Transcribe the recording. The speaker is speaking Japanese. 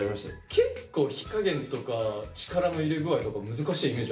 結構火加減とか力の入れ具合とか難しいイメージあるよ。